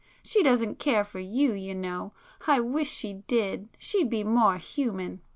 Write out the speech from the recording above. She doesn't care for you, you know!—I wish she did,—she'd be more human!"